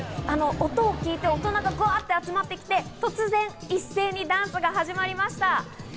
音を聞いて、大人がブワっと集まってきて突然、一斉にダンスが始まりました！